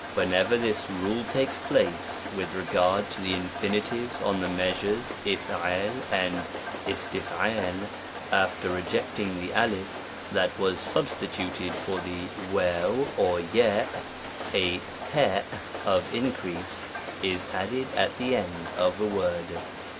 yk, WHENEVEU this rule takes pi ace, with regard to , A the infinitives on the measures Jixi J and J IUUM / after rejecting the / that was substituted for i the or <, a o of increase is added at the end of ' the word.